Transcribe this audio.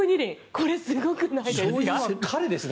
これ、すごくないですか？